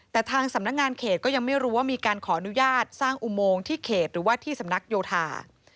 แต่ทางสำนักงานเขตก็ยังไม่รู้ว่ามีการขออนุญาตสร้างอุโมงที่เขตหรือว่าที่สำนักโยธา